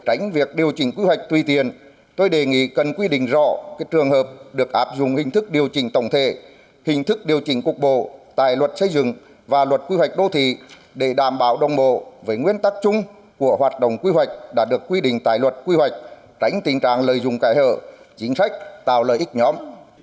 tránh việc điều chỉnh quy hoạch tùy tiền tôi đề nghị cần quy định rõ cái trường hợp được áp dụng hình thức điều chỉnh tổng thể hình thức điều chỉnh cục bộ tài luật xây dựng và luật quy hoạch đô thị để đảm bảo đồng bộ với nguyên tắc chung của hoạt động quy hoạch đã được quy định tài luật quy hoạch tránh tình trạng lợi dụng cải hợp chính sách tạo lợi ích nhóm